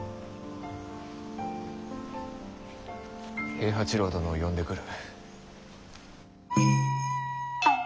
平八郎殿を呼んでくる。